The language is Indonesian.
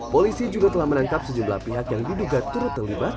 polisi juga telah menangkap sejumlah pihak yang diduga turut terlibat